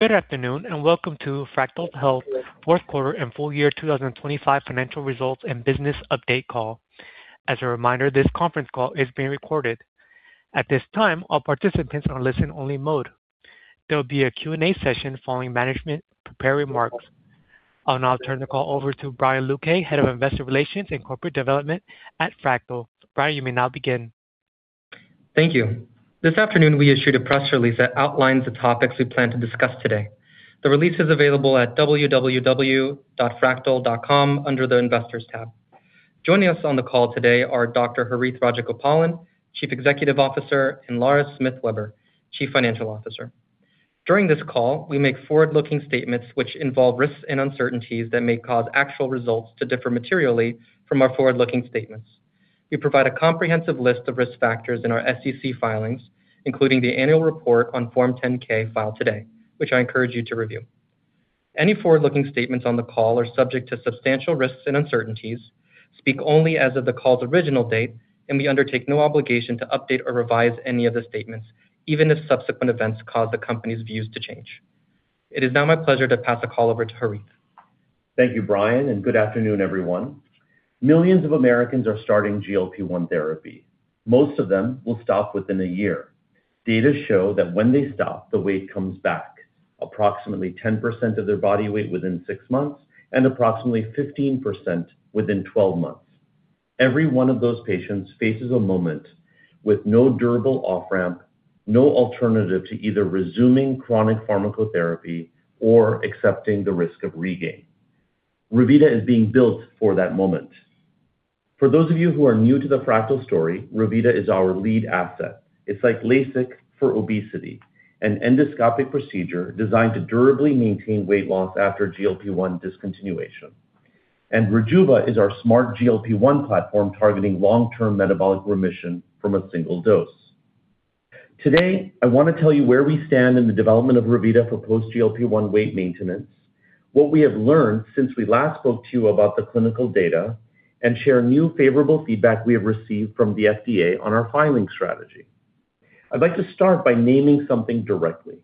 Good afternoon, and welcome to Fractyl Health fourth quarter and full year 2025 financial results and business update call. As a reminder, this conference call is being recorded. At this time, all participants are in listen-only mode. There will be a Q&A session following management's prepared remarks. I'll now turn the call over to Brian Luque, Head of Investor Relations and Corporate Development at Fractyl Health. Brian, you may now begin. Thank you. This afternoon we issued a press release that outlines the topics we plan to discuss today. The release is available at www.fractyl.com under the Investors tab. Joining us on the call today are Dr. Harith Rajagopalan, Chief Executive Officer, and Lara Smith Weber, Chief Financial Officer. During this call, we make forward-looking statements which involve risks and uncertainties that may cause actual results to differ materially from our forward-looking statements. We provide a comprehensive list of risk factors in our SEC filings, including the annual report on Form 10-K filed today, which I encourage you to review. Any forward-looking statements on the call are subject to substantial risks and uncertainties, speak only as of the call's original date, and we undertake no obligation to update or revise any of the statements, even if subsequent events cause the company's views to change. It is now my pleasure to pass the call over to Harith. Thank you, Brian, and good afternoon, everyone. Millions of Americans are starting GLP-1 therapy. Most of them will stop within a year. Data show that when they stop, the weight comes back, approximately 10% of their body weight within six months and approximately 15% within 12 months. Every one of those patients faces a moment with no durable off-ramp, no alternative to either resuming chronic pharmacotherapy or accepting the risk of regain. Revita is being built for that moment. For those of you who are new to the Fractyl story, Revita is our lead asset. It's like LASIK for obesity, an endoscopic procedure designed to durably maintain weight loss after GLP-1 discontinuation. Rejuva is our smart GLP-1 platform targeting long-term metabolic remission from a single dose. Today, I want to tell you where we stand in the development of Revita for post GLP-1 weight maintenance, what we have learned since we last spoke to you about the clinical data, and share new favorable feedback we have received from the FDA on our filing strategy. I'd like to start by naming something directly.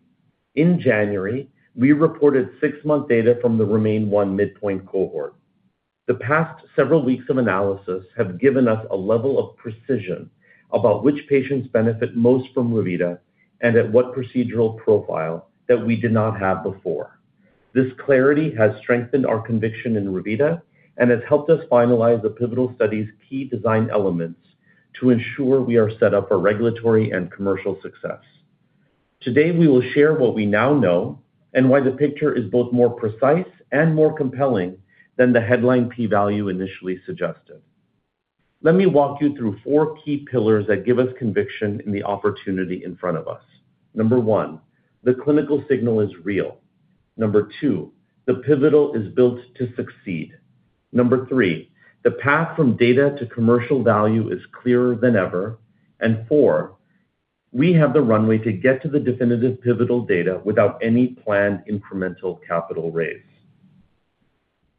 In January, we reported six-month data from the REMAIN-1 midpoint cohort. The past several weeks of analysis have given us a level of precision about which patients benefit most from Revita and at what procedural profile that we did not have before. This clarity has strengthened our conviction in Revita and has helped us finalize the pivotal study's key design elements to ensure we are set up for regulatory and commercial success. Today, we will share what we now know and why the picture is both more precise and more compelling than the headline P value initially suggested. Let me walk you through four key pillars that give us conviction in the opportunity in front of us. Number one, the clinical signal is real. Number two, the pivotal is built to succeed. Number three, the path from data to commercial value is clearer than ever. And four, we have the runway to get to the definitive pivotal data without any planned incremental capital raise.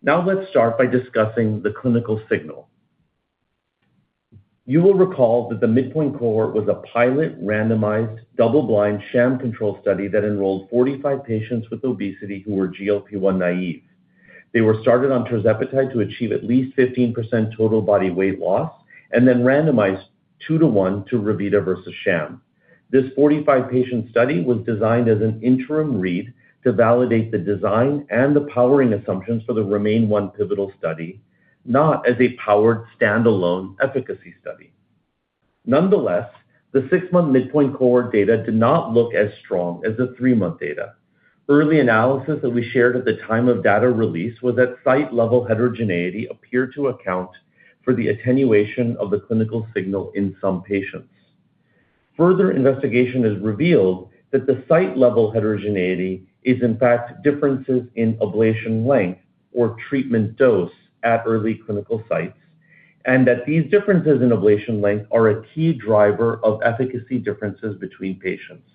Now let's start by discussing the clinical signal. You will recall that the midpoint cohort was a pilot randomized double-blind sham control study that enrolled 45 patients with obesity who were GLP-1 naive. They were started on tirzepatide to achieve at least 15% total body weight loss and then randomized two to one to Revita versus sham. This 45-patient study was designed as an interim read to validate the design and the powering assumptions for the REMAIN-1 pivotal study, not as a powered standalone efficacy study. Nonetheless, the six-month midpoint cohort data did not look as strong as the three-month data. Early analysis that we shared at the time of data release was that site-level heterogeneity appeared to account for the attenuation of the clinical signal in some patients. Further investigation has revealed that the site-level heterogeneity is in fact differences in ablation length or treatment dose at early clinical sites, and that these differences in ablation length are a key driver of efficacy differences between patients.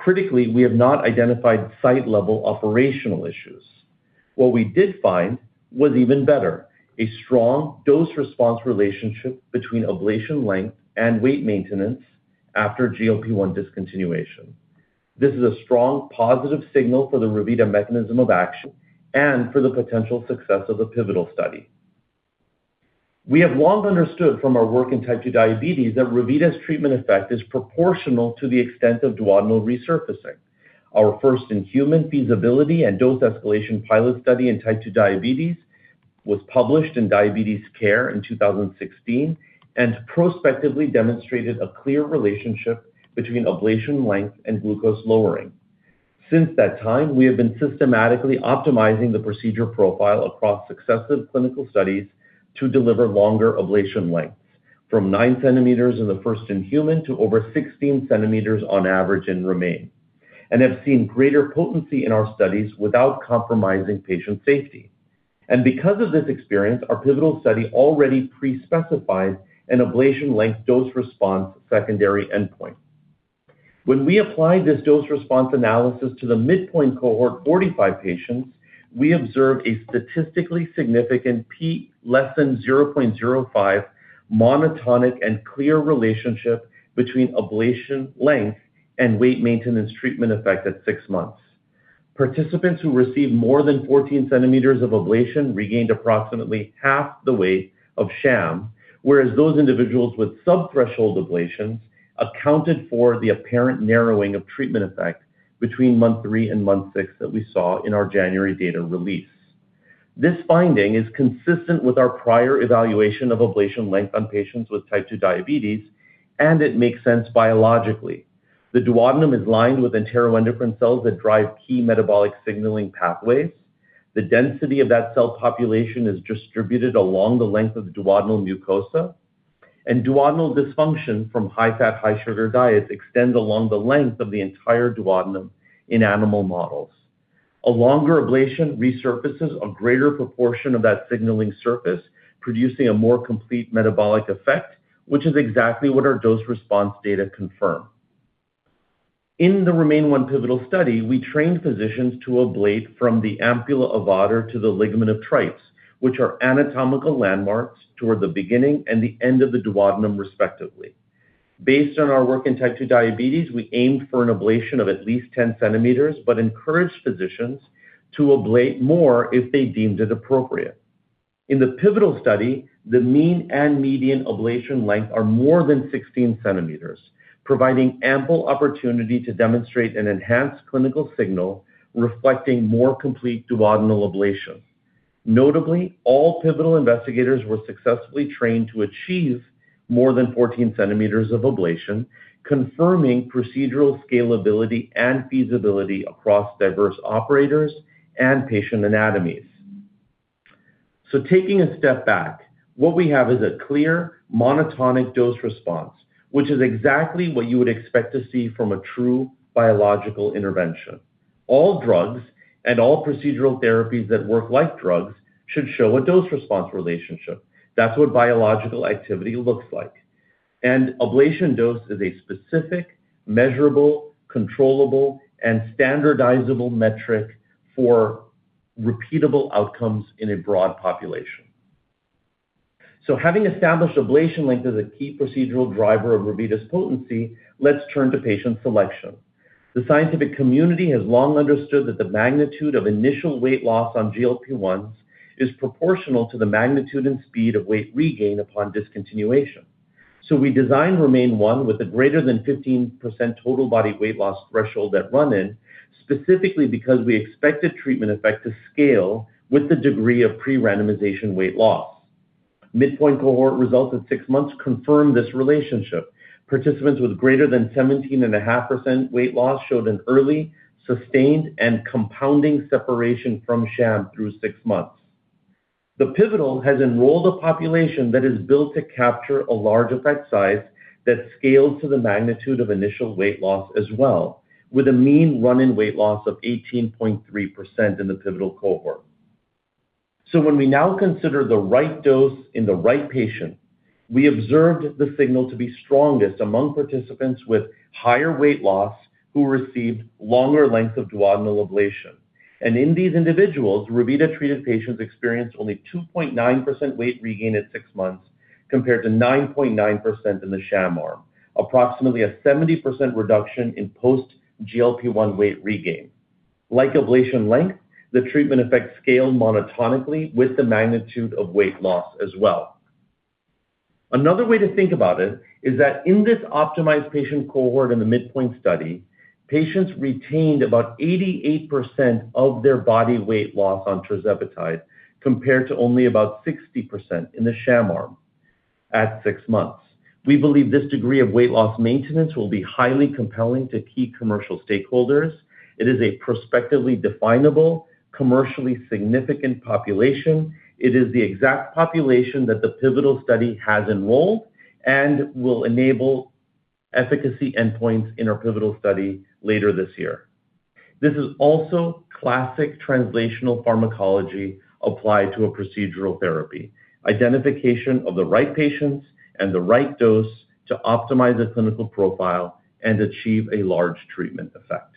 Critically, we have not identified site-level operational issues. What we did find was even better, a strong dose-response relationship between ablation length and weight maintenance after GLP-1 discontinuation. This is a strong positive signal for the Revita mechanism of action and for the potential success of the pivotal study. We have long understood from our work in type 2 diabetes that Revita's treatment effect is proportional to the extent of duodenal resurfacing. Our first-in-human feasibility and dose escalation pilot study in type 2 diabetes was published in Diabetes Care in 2016 and prospectively demonstrated a clear relationship between ablation length and glucose lowering. Since that time, we have been systematically optimizing the procedure profile across successive clinical studies to deliver longer ablation lengths from 9 cm in the first-in-human to over 16 cm on average in REMAIN, and have seen greater potency in our studies without compromising patient safety. Because of this experience, our pivotal study already pre-specifies an ablation length dose response secondary endpoint. When we apply this dose response analysis to the midpoint cohort 45 patients, we observe a statistically significant P < 0.05 monotonic and clear relationship between ablation length and weight maintenance treatment effect at six months. Participants who received more than 14 cm of ablation regained approximately half the weight of sham, whereas those individuals with sub-threshold ablations accounted for the apparent narrowing of treatment effect between month three and month six that we saw in our January data release. This finding is consistent with our prior evaluation of ablation length on patients with type 2 diabetes, and it makes sense biologically. The duodenum is lined with enteroendocrine cells that drive key metabolic signaling pathways. The density of that cell population is distributed along the length of the duodenal mucosa, and duodenal dysfunction from high-fat, high-sugar diets extend along the length of the entire duodenum in animal models. A longer ablation resurfaces a greater proportion of that signaling surface, producing a more complete metabolic effect, which is exactly what our dose response data confirm. In the REMAIN-1 pivotal study, we trained physicians to ablate from the ampulla of Vater to the ligament of Treitz, which are anatomical landmarks toward the beginning and the end of the duodenum, respectively. Based on our work in type 2 diabetes, we aimed for an ablation of at least 10 cm but encouraged physicians to ablate more if they deemed it appropriate. In the pivotal study, the mean and median ablation length are more than 16 cm, providing ample opportunity to demonstrate an enhanced clinical signal reflecting more complete duodenal ablation. Notably, all pivotal investigators were successfully trained to achieve more than 14 cm of ablation, confirming procedural scalability and feasibility across diverse operators and patient anatomies. Taking a step back, what we have is a clear monotonic dose response, which is exactly what you would expect to see from a true biological intervention. All drugs and all procedural therapies that work like drugs should show a dose response relationship. That's what biological activity looks like. And ablation dose is a specific, measurable, controllable, and standardizable metric for repeatable outcomes in a broad population. Having established ablation length as a key procedural driver of Revita's potency, let's turn to patient selection. The scientific community has long understood that the magnitude of initial weight loss on GLP-1s is proportional to the magnitude and speed of weight regain upon discontinuation. We designed REMAIN-1 with a greater than 15% total body weight loss threshold at run-in, specifically because we expected treatment effect to scale with the degree of pre-randomization weight loss. Midpoint cohort results at six months confirm this relationship. Participants with greater than 17.5% weight loss showed an early, sustained, and compounding separation from sham through six months. The pivotal has enrolled a population that is built to capture a large effect size that scales to the magnitude of initial weight loss as well, with a mean run-in weight loss of 18.3% in the pivotal cohort. When we now consider the right dose in the right patient, we observed the signal to be strongest among participants with higher weight loss who received longer length of duodenal ablation. In these individuals, Revita-treated patients experienced only 2.9% weight regain at six months compared to 9.9% in the sham arm, approximately a 70% reduction in post-GLP-1 weight regain. Like ablation length, the treatment effect scaled monotonically with the magnitude of weight loss as well. Another way to think about it is that in this optimized patient cohort in the midpoint study, patients retained about 88% of their body weight loss on tirzepatide compared to only about 60% in the sham arm at six months. We believe this degree of weight loss maintenance will be highly compelling to key commercial stakeholders. It is a prospectively definable, commercially significant population. It is the exact population that the pivotal study has enrolled and will enable efficacy endpoints in our pivotal study later this year. This is also classic translational pharmacology applied to a procedural therapy, identification of the right patients and the right dose to optimize the clinical profile and achieve a large treatment effect.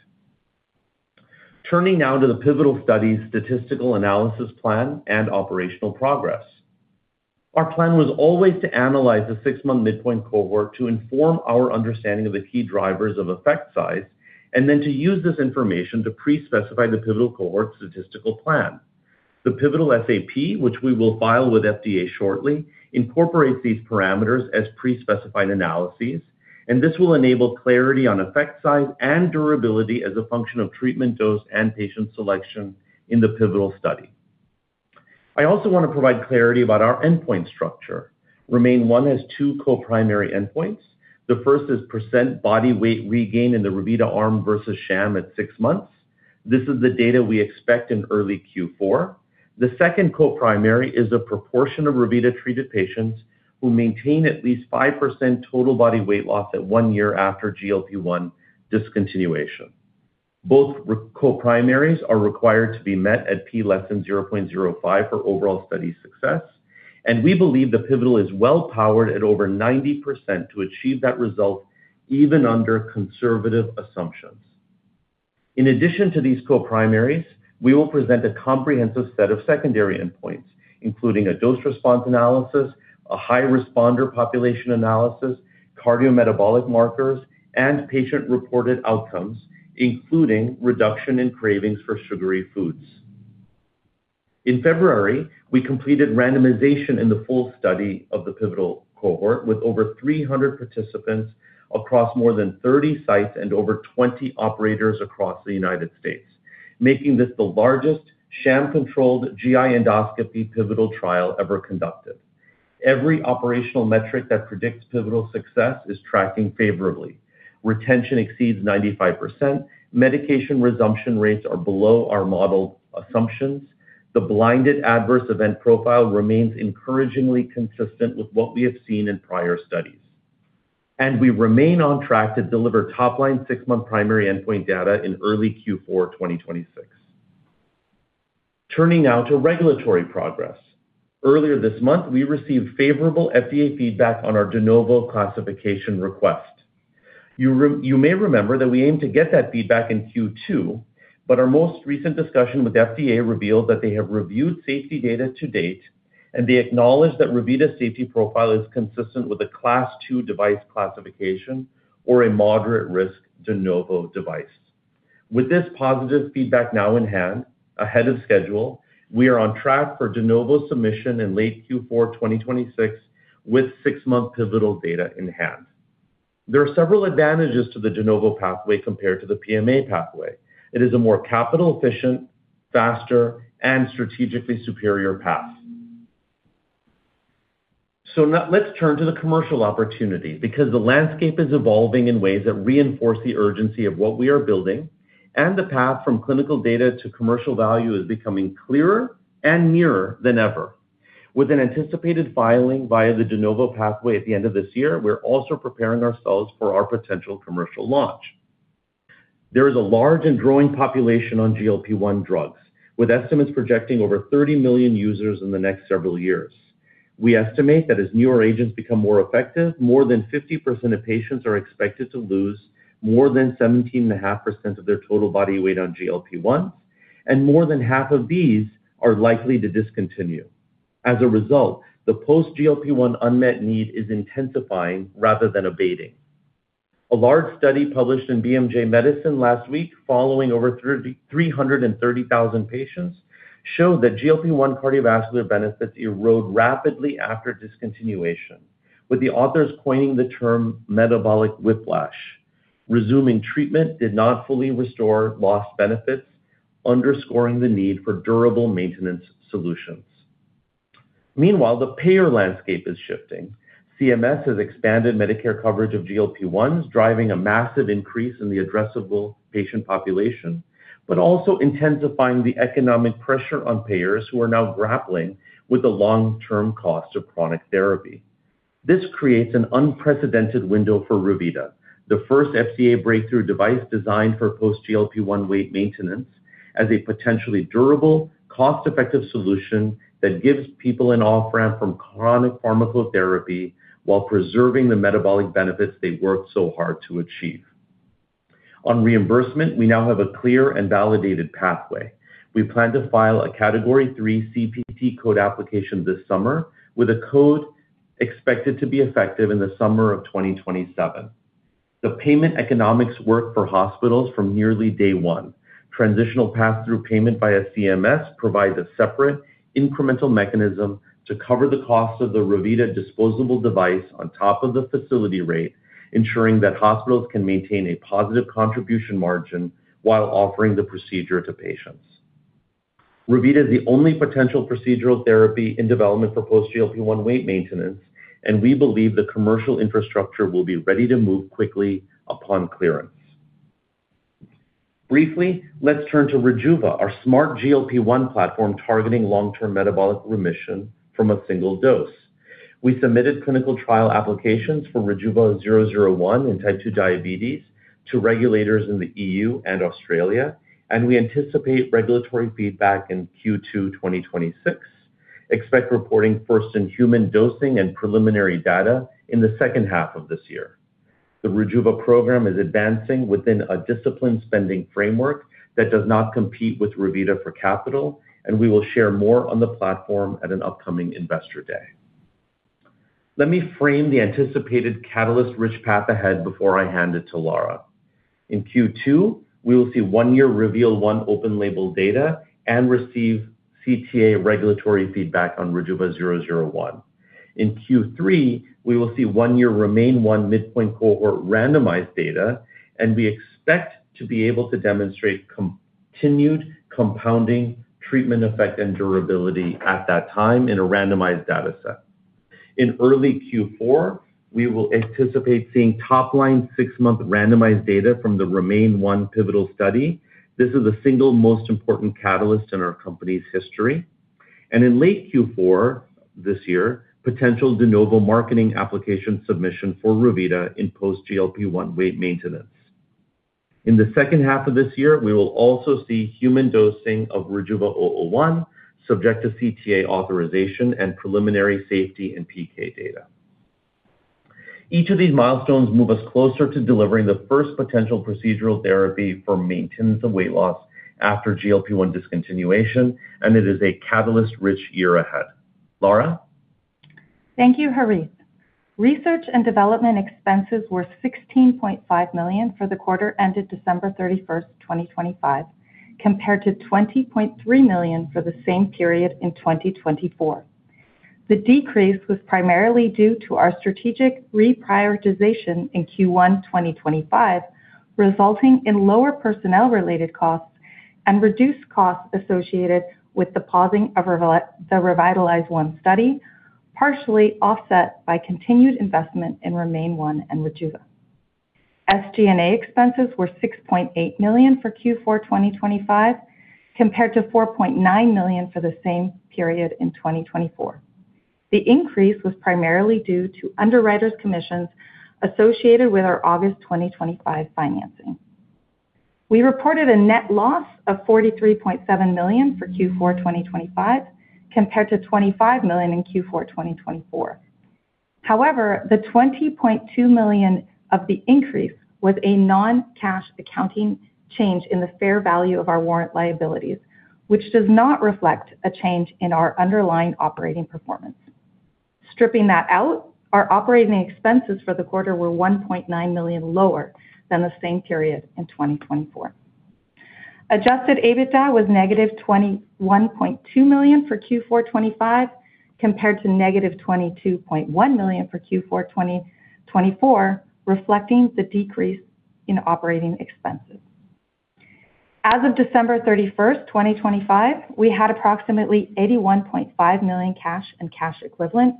Turning now to the pivotal study's statistical analysis plan and operational progress. Our plan was always to analyze the six-month midpoint cohort to inform our understanding of the key drivers of effect size, and then to use this information to pre-specify the pivotal cohort's statistical plan. The pivotal SAP, which we will file with FDA shortly, incorporates these parameters as pre-specified analyses, and this will enable clarity on effect size and durability as a function of treatment dose and patient selection in the pivotal study. I also want to provide clarity about our endpoint structure. REMAIN-1 has two co-primary endpoints. The first is percent body weight regain in the Revita arm versus sham at six months. This is the data we expect in early Q4. The second co-primary is the proportion of Revita-treated patients who maintain at least 5% total body weight loss at one year after GLP-1 discontinuation. Both co-primaries are required to be met at p less than 0.05 for overall study success, and we believe the pivotal is well-powered at over 90% to achieve that result even under conservative assumptions. In addition to these co-primaries, we will present a comprehensive set of secondary endpoints, including a dose response analysis, a high responder population analysis, cardiometabolic markers, and patient-reported outcomes, including reduction in cravings for sugary foods. In February, we completed randomization in the full study of the pivotal cohort with over 300 participants across more than 30 sites and over 20 operators across the United States, making this the largest sham-controlled GI endoscopy pivotal trial ever conducted. Every operational metric that predicts pivotal success is tracking favorably. Retention exceeds 95%. Medication resumption rates are below our model assumptions. The blinded adverse event profile remains encouragingly consistent with what we have seen in prior studies. We remain on track to deliver top-line six-month primary endpoint data in early Q4 2026. Turning now to regulatory progress. Earlier this month, we received favorable FDA feedback on our de novo classification request. You may remember that we aimed to get that feedback in Q2, but our most recent discussion with FDA revealed that they have reviewed safety data to date, and they acknowledge that Revita's safety profile is consistent with a Class II device classification or a moderate-risk de novo device. With this positive feedback now in hand, ahead of schedule, we are on track for de novo submission in late Q4 2026 with six-month pivotal data in hand. There are several advantages to the de novo pathway compared to the PMA pathway. It is a more capital-efficient, faster, and strategically superior path. Let's turn to the commercial opportunity because the landscape is evolving in ways that reinforce the urgency of what we are building, and the path from clinical data to commercial value is becoming clearer and nearer than ever. With an anticipated filing via the de novo pathway at the end of this year, we're also preparing ourselves for our potential commercial launch. There is a large and growing population on GLP-1 drugs, with estimates projecting over 30 million users in the next several years. We estimate that as newer agents become more effective, more than 50% of patients are expected to lose more than 17.5% of their total body weight on GLP-1, and more than half of these are likely to discontinue. As a result, the post GLP-1 unmet need is intensifying rather than abating. A large study published in BMJ Medicine last week, following over 333,000 patients, showed that GLP-1 cardiovascular benefits erode rapidly after discontinuation, with the authors coining the term metabolic whiplash. Resuming treatment did not fully restore lost benefits, underscoring the need for durable maintenance solutions. Meanwhile, the payer landscape is shifting. CMS has expanded Medicare coverage of GLP-1s, driving a massive increase in the addressable patient population, but also intensifying the economic pressure on payers who are now grappling with the long-term costs of chronic therapy. This creates an unprecedented window for Revita, the first FDA breakthrough device designed for post GLP-1 weight maintenance as a potentially durable, cost-effective solution that gives people an off-ramp from chronic pharmacotherapy while preserving the metabolic benefits they worked so hard to achieve. On reimbursement, we now have a clear and validated pathway. We plan to file a Category III CPT code application this summer with a code expected to be effective in the summer of 2027. The payment economics work for hospitals from nearly day one. Transitional Pass-Through Payment via CMS provides a separate incremental mechanism to cover the cost of the Revita disposable device on top of the facility rate, ensuring that hospitals can maintain a positive contribution margin while offering the procedure to patients. Revita is the only potential procedural therapy in development for post GLP-1 weight maintenance, and we believe the commercial infrastructure will be ready to move quickly upon clearance. Briefly, let's turn to Rejuva, our smart GLP-1 platform targeting long-term metabolic remission from a single dose. We submitted clinical trial applications for RJVA-001 in type 2 diabetes to regulators in the EU and Australia, and we anticipate regulatory feedback in Q2 2026. Expect reporting first in human dosing and preliminary data in the second half of this year. The Rejuva program is advancing within a disciplined spending framework that does not compete with Revita for capital, and we will share more on the platform at an upcoming investor day. Let me frame the anticipated catalyst-rich path ahead before I hand it to Laura. In Q2, we will see one-year REVEAL-1 open-label data and receive CTA regulatory feedback on RJVA-001. In Q3, we will see one-year REMAIN-1 midpoint cohort randomized data, and we expect to be able to demonstrate continued compounding treatment effect and durability at that time in a randomized data set. In early Q4, we will anticipate seeing top-line six-month randomized data from the REMAIN-1 pivotal study. This is the single most important catalyst in our company's history. In late Q4 this year, potential de novo marketing application submission for Revita in post-GLP-1 weight maintenance. In the second half of this year, we will also see human dosing of RJVA-001, subject to CTA authorization and preliminary safety and PK data. Each of these milestones move us closer to delivering the first potential procedural therapy for maintenance of weight loss after GLP-1 discontinuation, and it is a catalyst-rich year ahead. Laura? Thank you, Harith. Research and development expenses were $16.5 million for the quarter ended December 31st, 2025, compared to $20.3 million for the same period in 2024. The decrease was primarily due to our strategic reprioritization in Q1 2025, resulting in lower personnel-related costs and reduced costs associated with the pausing of the Revitalize-1 study, partially offset by continued investment in REMAIN-1 and Rejuva. SG&A expenses were $6.8 million for Q4 2025, compared to $4.9 million for the same period in 2024. The increase was primarily due to underwriter's commissions associated with our August 2025 financing. We reported a net loss of $43.7 million for Q4 2025 compared to $25 million in Q4 2024. However, the $20.2 million of the increase was a non-cash accounting change in the fair value of our warrant liabilities, which does not reflect a change in our underlying operating performance. Stripping that out, our operating expenses for the quarter were $1.9 million lower than the same period in 2024. Adjusted EBITDA was -$21.2 million for Q4 2025 compared to -$22.1 million for Q4 2024, reflecting the decrease in operating expenses. As of December 31st, 2025, we had approximately $81.5 million cash and cash equivalents.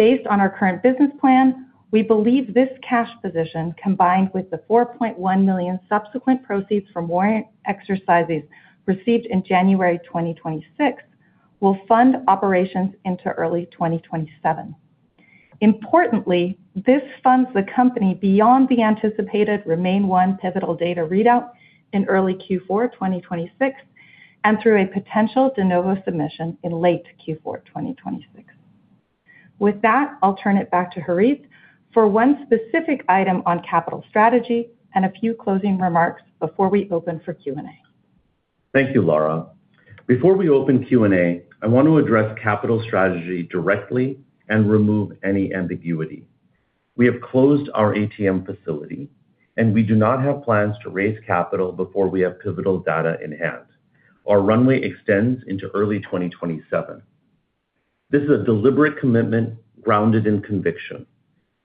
Based on our current business plan, we believe this cash position, combined with the $4.1 million subsequent proceeds from warrant exercises received in January 2026, will fund operations into early 2027. Importantly, this funds the company beyond the anticipated REMAIN-1 pivotal data readout in early Q4 2026 and through a potential de novo submission in late Q4 2026. With that, I'll turn it back to Harith for one specific item on capital strategy and a few closing remarks before we open for Q&A. Thank you, Laura. Before we open Q&A, I want to address capital strategy directly and remove any ambiguity. We have closed our ATM facility, and we do not have plans to raise capital before we have pivotal data in hand. Our runway extends into early 2027. This is a deliberate commitment grounded in conviction.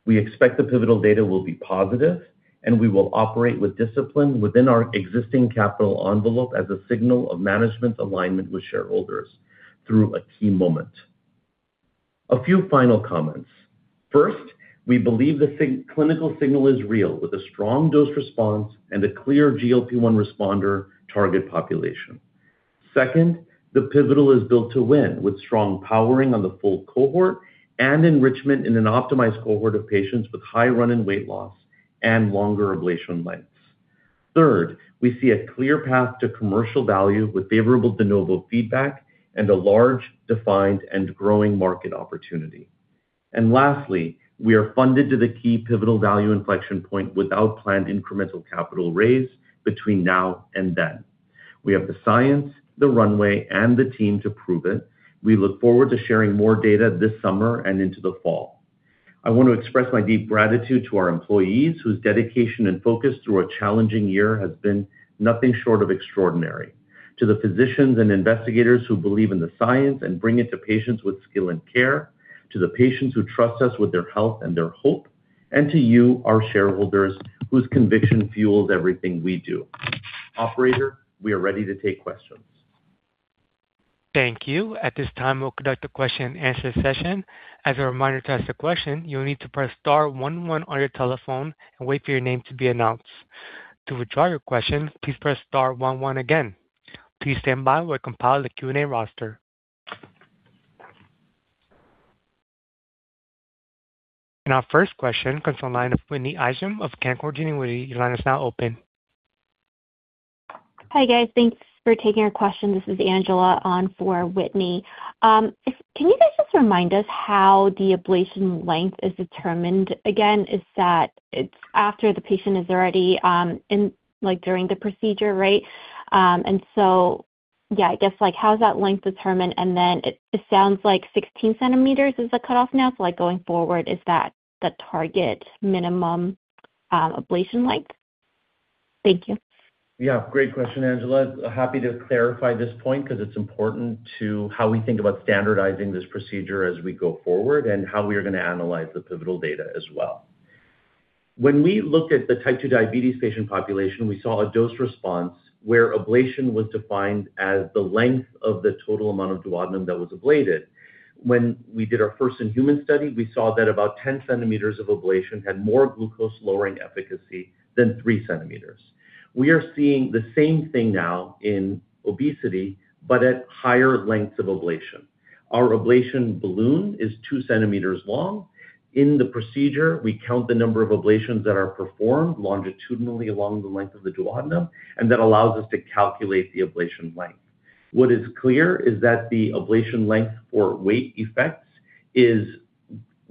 We expect the pivotal data will be positive, and we will operate with discipline within our existing capital envelope as a signal of management's alignment with shareholders through a key moment. A few final comments. First, we believe the clinical signal is real with a strong dose response and a clear GLP-1 responder target population. Second, the pivotal is built to win with strong powering on the full cohort and enrichment in an optimized cohort of patients with high BMI and weight loss and longer ablation lengths. Third, we see a clear path to commercial value with favorable de novo feedback and a large defined and growing market opportunity. Lastly, we are funded to the key pivotal value inflection point without planned incremental capital raise between now and then. We have the science, the runway and the team to prove it. We look forward to sharing more data this summer and into the fall. I want to express my deep gratitude to our employees, whose dedication and focus through a challenging year has been nothing short of extraordinary. To the physicians and investigators who believe in the science and bring it to patients with skill and care, to the patients who trust us with their health and their hope, and to you, our shareholders, whose conviction fuels everything we do. Operator, we are ready to take questions. Thank you. At this time, we'll conduct a question and answer session. As a reminder, to ask a question, you will need to press star one one on your telephone and wait for your name to be announced. To withdraw your question, please press star one one again. Please stand by while we compile the Q&A roster. Our first question comes on line of Whitney Ijem of Canaccord Genuity. Your line is now open. Hi, guys. Thanks for taking our question. This is Angela on for Whitney. Can you guys just remind us how the ablation length is determined again? Is that it's after the patient is already in like during the procedure, right? Yeah, I guess like how's that length determined? It sounds like 16 cm is the cutoff now. Like going forward, is that the target minimum ablation length? Thank you. Yeah. Great question, Angela. Happy to clarify this point because it's important to how we think about standardizing this procedure as we go forward and how we are going to analyze the pivotal data as well. When we looked at the type 2 diabetes patient population, we saw a dose response where ablation was defined as the length of the total amount of duodenum that was ablated. When we did our first in human study, we saw that about 10 cm of ablation had more glucose-lowering efficacy than 3 cm. We are seeing the same thing now in obesity, but at higher lengths of ablation. Our ablation balloon is 2 cm long. In the procedure, we count the number of ablations that are performed longitudinally along the length of the duodenum, and that allows us to calculate the ablation length. What is clear is that the ablation length or weight effect is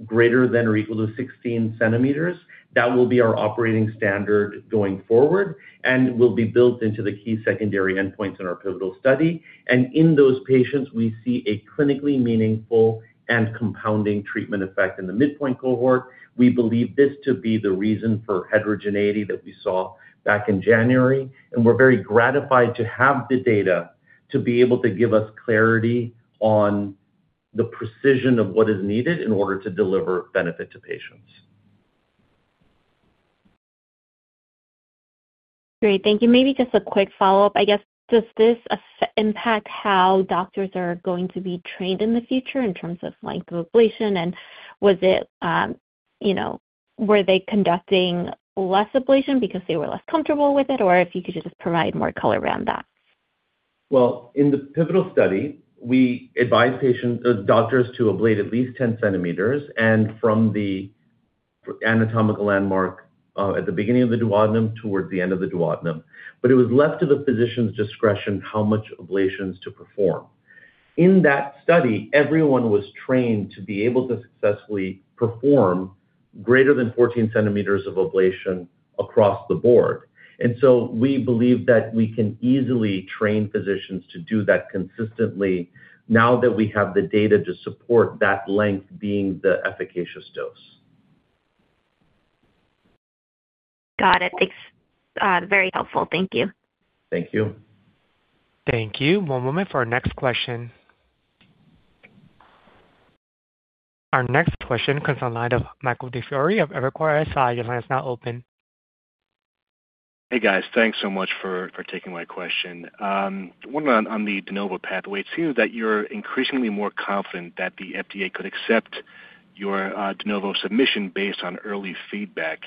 greater than or equal to 16 cm. That will be our operating standard going forward and will be built into the key secondary endpoints in our pivotal study. In those patients, we see a clinically meaningful and compounding treatment effect in the midpoint cohort. We believe this to be the reason for heterogeneity that we saw back in January, and we're very gratified to have the data to be able to give us clarity on the precision of what is needed in order to deliver benefit to patients. Great. Thank you. Maybe just a quick follow-up. I guess, does this impact how doctors are going to be trained in the future in terms of length of ablation? Was it, you know, were they conducting less ablation because they were less comfortable with it? Or if you could just provide more color around that? Well, in the pivotal study, we advised patients, doctors to ablate at least 10 cm, and from the anatomical landmark, at the beginning of the duodenum towards the end of the duodenum. It was left to the physician's discretion how much ablations to perform. In that study, everyone was trained to be able to successfully perform greater than 14 cm of ablation across the board. We believe that we can easily train physicians to do that consistently now that we have the data to support that length being the efficacious dose. Got it. Thanks. Very helpful. Thank you. Thank you. Thank you. One moment for our next question. Our next question comes on line of Michael DiFiore of Evercore ISI. Your line is now open. Hey, guys. Thanks so much for taking my question. One on the de novo pathway. It seems that you're increasingly more confident that the FDA could accept your de novo submission based on early feedback.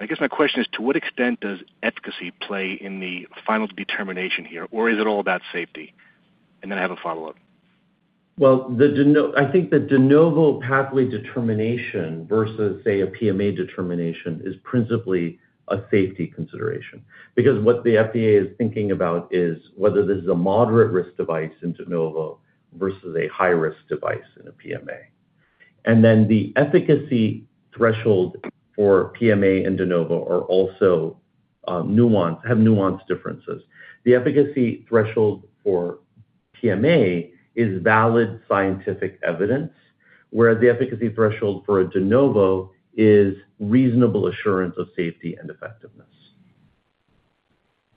I guess my question is, to what extent does efficacy play in the final determination here, or is it all about safety? Then I have a follow-up. Well, I think the de novo pathway determination versus, say, a PMA determination is principally a safety consideration. Because what the FDA is thinking about is whether this is a moderate risk device in de novo versus a high-risk device in a PMA. The efficacy threshold for PMA and de novo are also nuanced differences. The efficacy threshold for PMA is valid scientific evidence, whereas the efficacy threshold for a de novo is reasonable assurance of safety and effectiveness.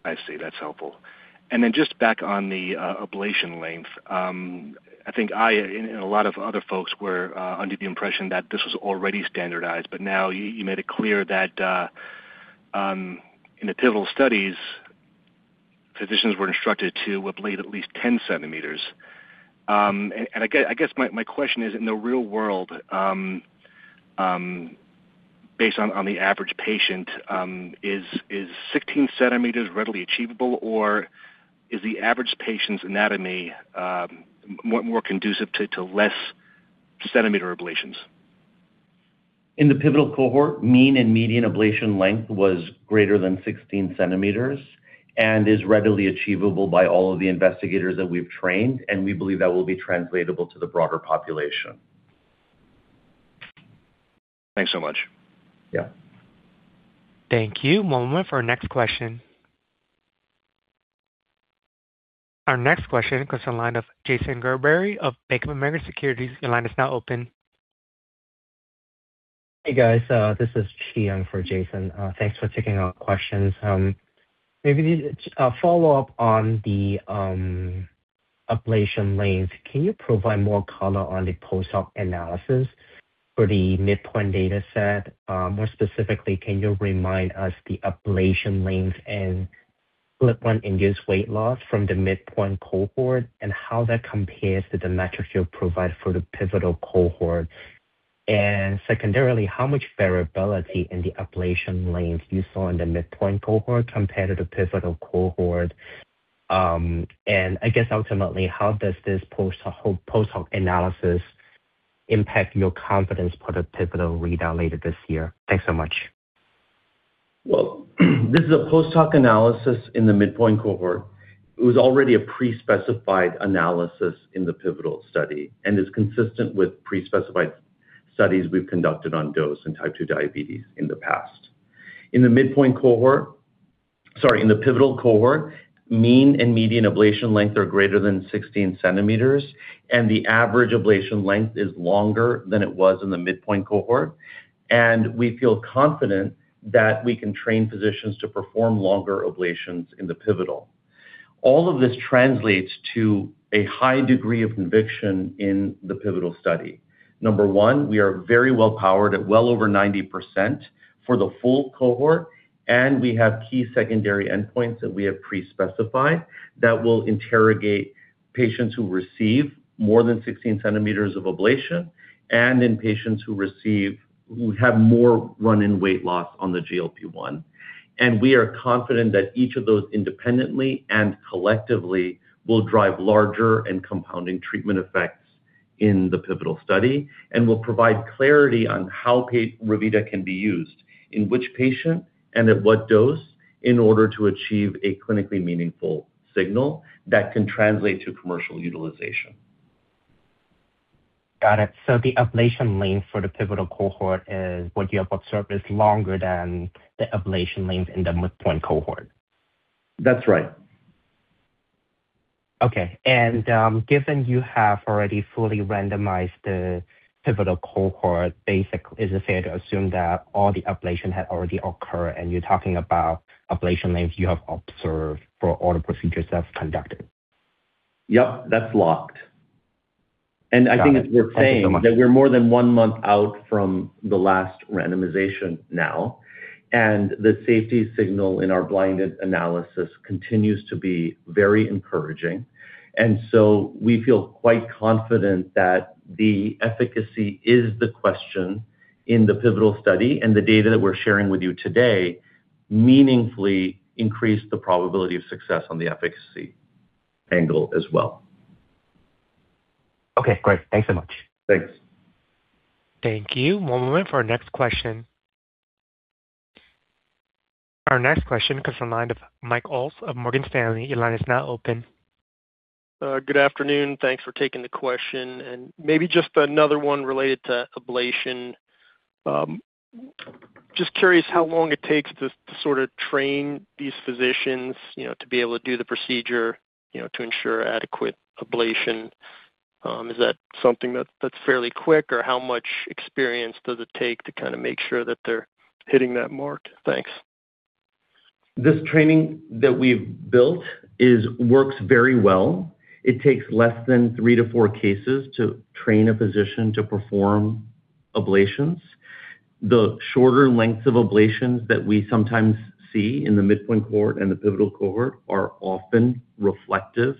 I see. That's helpful. Just back on the ablation length. I think I and a lot of other folks were under the impression that this was already standardized, but now you made it clear that in the pivotal studies, physicians were instructed to ablate at least 10 cm. I guess my question is, in the real world, based on the average patient, is 16 cm readily achievable, or is the average patient's anatomy more conducive to less centimeter ablations? In the pivotal cohort, mean and median ablation length was greater than 16 cm and is readily achievable by all of the investigators that we've trained, and we believe that will be translatable to the broader population. Thanks so much. Yeah. Thank you. One moment for our next question. Our next question comes to the line of Jason Gerberry of Bank of America Securities. Your line is now open. Hey, guys. This is Chi Young for Jason. Thanks for taking our questions. Maybe just a follow-up on the ablation length. Can you provide more color on the post hoc analysis for the midpoint dataset? More specifically, can you remind us the ablation length and flip point-induced weight loss from the midpoint cohort and how that compares to the metrics you provide for the pivotal cohort? And secondarily, how much variability in the ablation length you saw in the midpoint cohort compared to the pivotal cohort? And I guess ultimately, how does this post hoc analysis impact your confidence for the pivotal read out later this year? Thanks so much. Well, this is a post hoc analysis in the midpoint cohort. It was already a pre-specified analysis in the pivotal study and is consistent with pre-specified studies we've conducted on dose and type 2 diabetes in the past. In the pivotal cohort, mean and median ablation length are greater than 16 cm, and the average ablation length is longer than it was in the midpoint cohort. We feel confident that we can train physicians to perform longer ablations in the pivotal. All of this translates to a high degree of conviction in the pivotal study. Number one, we are very well powered at well over 90% for the full cohort, and we have key secondary endpoints that we have pre-specified that will interrogate patients who receive more than 16 cm of ablation and in patients who have more run-in weight loss on the GLP-1. We are confident that each of those independently and collectively will drive larger and compounding treatment effects in the pivotal study and will provide clarity on how Revita can be used, in which patient, and at what dose in order to achieve a clinically meaningful signal that can translate to commercial utilization. Got it. The ablation length for the pivotal cohort is what you have observed is longer than the ablation length in the midpoint cohort? That's right. Given you have already fully randomized the pivotal cohort, is it fair to assume that all the ablation had already occurred and you're talking about ablation lengths you have observed for all the procedures that have been conducted? Yep, that's locked. Got it. I think we're saying that we're more than one month out from the last randomization now, and the safety signal in our blinded analysis continues to be very encouraging. We feel quite confident that the efficacy is the question in the pivotal study, and the data that we're sharing with you today meaningfully increase the probability of success on the efficacy angle as well. Okay, great. Thanks so much. Thanks. Thank you. One moment for our next question. Our next question comes from the line of Michael Ulz of Morgan Stanley. Your line is now open. Good afternoon. Thanks for taking the question. Maybe just another one related to ablation. Just curious how long it takes to sort of train these physicians, you know, to be able to do the procedure, you know, to ensure adequate ablation. Is that something that's fairly quick? Or how much experience does it take to kind of make sure that they're hitting that mark? Thanks. This training that we've built works very well. It takes less than three to four cases to train a physician to perform ablations. The shorter lengths of ablations that we sometimes see in the midpoint cohort and the pivotal cohort are often reflective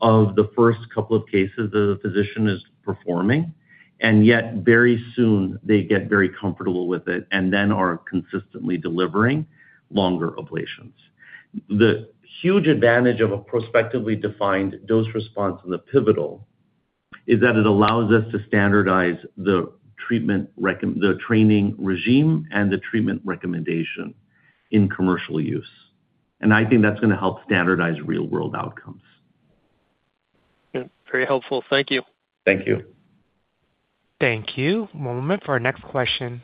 of the first couple of cases that a physician is performing, and yet very soon they get very comfortable with it and then are consistently delivering longer ablations. The huge advantage of a prospectively defined dose response in the pivotal is that it allows us to standardize the training regime and the treatment recommendation in commercial use. I think that's going to help standardize real-world outcomes. Yeah, very helpful. Thank you. Thank you. Thank you. One moment for our next question.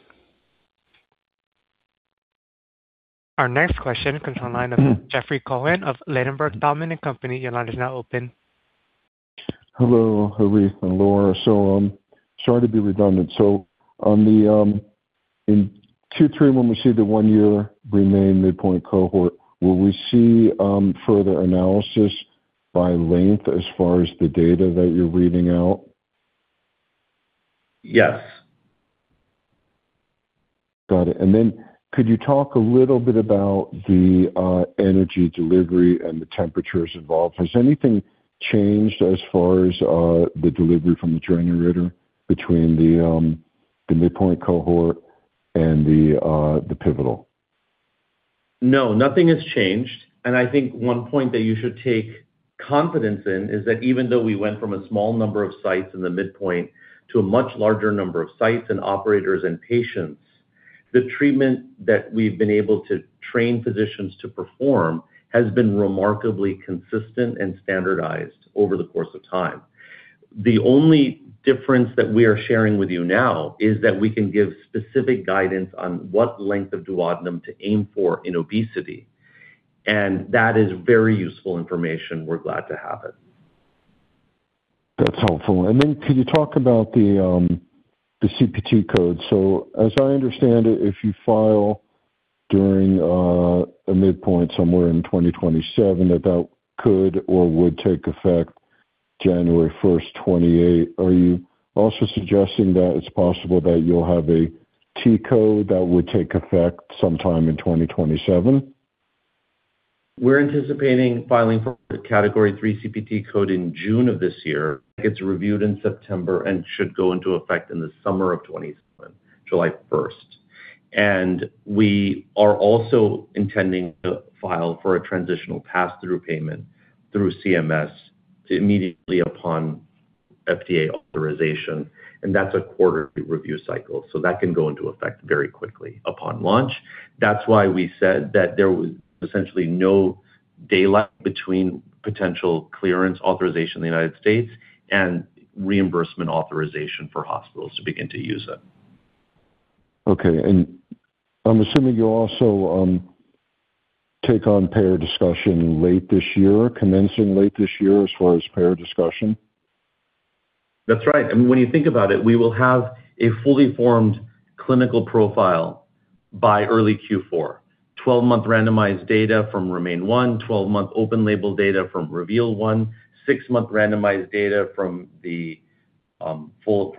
Our next question comes from the line of Jeffrey Cohen of Ladenburg Thalmann & Co. Inc. Your line is now open. Hello, Harith and Lara. Sorry to be redundant. On the in 2023 when we see the REMAIN-1 midpoint cohort, will we see further analysis by length as far as the data that you're reading out? Yes. Got it. Could you talk a little bit about the energy delivery and the temperatures involved? Has anything changed as far as the delivery from the generator between the midpoint cohort and the pivotal? No, nothing has changed. I think one point that you should take confidence in is that even though we went from a small number of sites in the midpoint to a much larger number of sites and operators and patients, the treatment that we've been able to train physicians to perform has been remarkably consistent and standardized over the course of time. The only difference that we are sharing with you now is that we can give specific guidance on what length of duodenum to aim for in obesity. That is very useful information. We're glad to have it. That's helpful. Then could you talk about the CPT code? As I understand it, if you file during a midpoint somewhere in 2027, that could or would take effect January 1st, 2028. Are you also suggesting that it's possible that you'll have a T code that would take effect sometime in 2027? We're anticipating filing for the Category III CPT code in June of this year. It gets reviewed in September and should go into effect in the summer of 2027, July 1st. We are also intending to file for a Transitional Pass-Through Payment through CMS immediately upon FDA authorization, and that's a quarterly review cycle, so that can go into effect very quickly upon launch. That's why we said that there was essentially no daylight between potential clearance authorization in the United States and reimbursement authorization for hospitals to begin to use it. Okay. I'm assuming you also take on payer discussion late this year, commencing late this year as far as payer discussion? That's right. I mean, when you think about it, we will have a fully formed clinical profile by early Q4. 12-month randomized data from REMAIN-1, 12-month open-label data from REVEAL-1, six-month randomized data from the full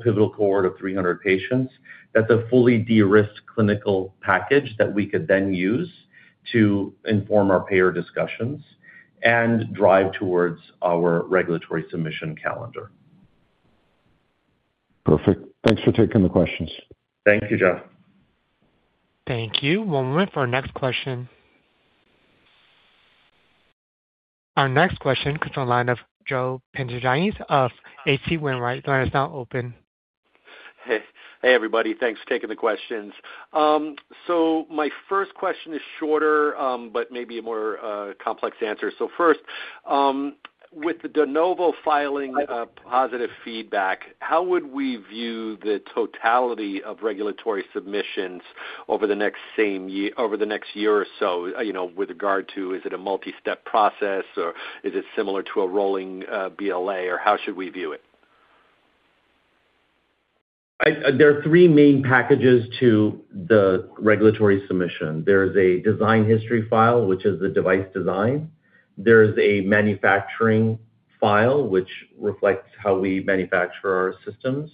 pivotal cohort of 300 patients. That's a fully de-risked clinical package that we could then use to inform our payer discussions and drive towards our regulatory submission calendar. Perfect. Thanks for taking the questions. Thank you, Jeff. Thank you. One moment for our next question. Our next question comes from the line of Joseph Pantginis of H.C. Wainwright. Your line is now open. Hey, hey, everybody. Thanks for taking the questions. My first question is shorter, but maybe a more complex answer. First, with the de novo filing, positive feedback, how would we view the totality of regulatory submissions over the next year or so, you know, with regard to is it a multi-step process, or is it similar to a rolling BLA, or how should we view it? There are three main packages to the regulatory submission. There is a design history file, which is the device design. There is a manufacturing file, which reflects how we manufacture our systems.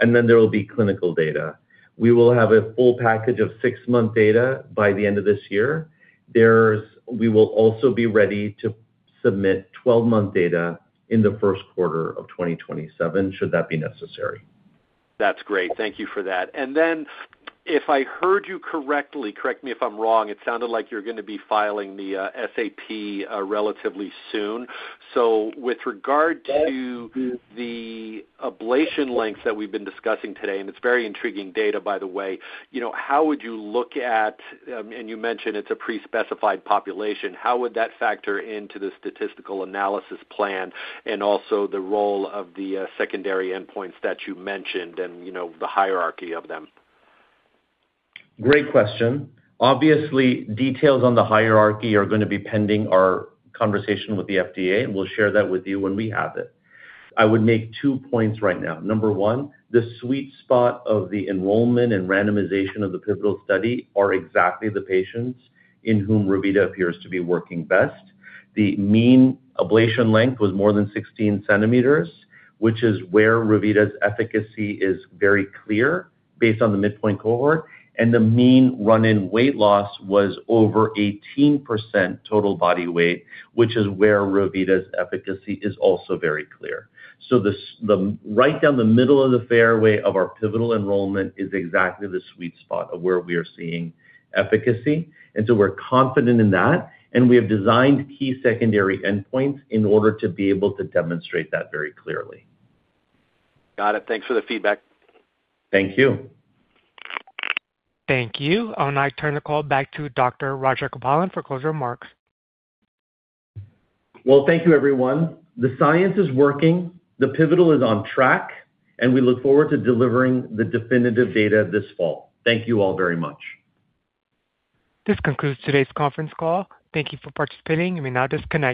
There will be clinical data. We will have a full package of six-month data by the end of this year. We will also be ready to submit 12-month data in the first quarter of 2027, should that be necessary. That's great. Thank you for that. Then if I heard you correctly, correct me if I'm wrong, it sounded like you're gonna be filing the SAP relatively soon. With regard to the ablation lengths that we've been discussing today, and it's very intriguing data by the way, you know, how would you look at, and you mentioned it's a pre-specified population, how would that factor into the statistical analysis plan and also the role of the secondary endpoints that you mentioned and, you know, the hierarchy of them? Great question. Obviously, details on the hierarchy are gonna be pending our conversation with the FDA, and we'll share that with you when we have it. I would make two points right now. Number one, the sweet spot of the enrollment and randomization of the pivotal study are exactly the patients in whom Revita appears to be working best. The mean ablation length was more than 16 cm, which is where Revita's efficacy is very clear based on the midpoint cohort, and the mean run-in weight loss was over 18% total body weight, which is where Revita's efficacy is also very clear. Right down the middle of the fairway of our pivotal enrollment is exactly the sweet spot of where we are seeing efficacy, and so we're confident in that, and we have designed key secondary endpoints in order to be able to demonstrate that very clearly. Got it. Thanks for the feedback. Thank you. Thank you. I'll now turn the call back to Dr. Harith Rajagopalan for closing remarks. Well, thank you, everyone. The science is working, the pivotal is on track, and we look forward to delivering the definitive data this fall. Thank you all very much. This concludes today's conference call. Thank you for participating. You may now disconnect.